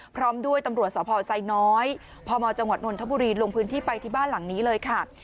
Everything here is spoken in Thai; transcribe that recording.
พร้อมด้วยตำรวจสพไซน้อยพมจังหวัดนนทบุรีลงพื้นที่ไปที่บ้านหลังนี้เลยค่ะ